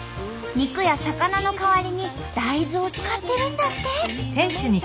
肉や魚の代わりに大豆を使ってるんだって。